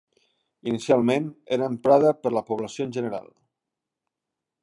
Inicialment, era emprada per la població en general.